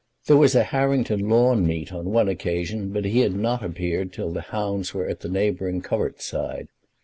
There was a Harrington Lawn Meet on one occasion, but he had not appeared till the hounds were at the neighbouring covert side.